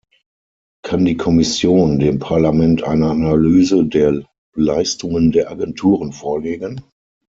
Kann die Kommission dem Parlament eine Analyse der Leistungen der Agenturen vorlegen?